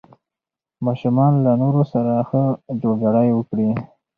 ماشومان له نورو سره ښه جوړجاړی وکړي.